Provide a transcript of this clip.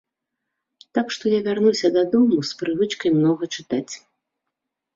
Так што я вярнуся дадому з прывычкай многа чытаць.